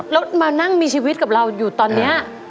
แล้วมานั่งมีชีวิตกับเราอยู่ตอนนี้